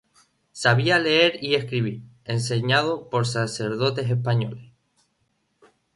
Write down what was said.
Sabia leer i escribir, enseñado por sacerdotes españoles.